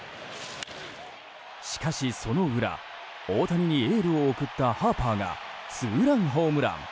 しかしその裏、大谷にエールを送ったハーパーがツーランホームラン。